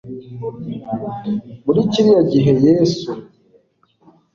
muri kiriya gihe yesu